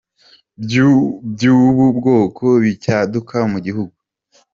By’ubu bwoko bicyaduka mu gihugu.